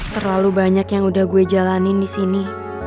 terlalu banyak yang udah gue jalanin disini